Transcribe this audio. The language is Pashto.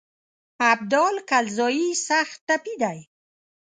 ابدال کلزايي سخت ټپي دی.